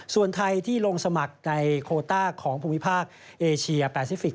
ส่วนไทยที่ลงสมัครในโคต้าของภูมิภาคเอเชียแปซิฟิกส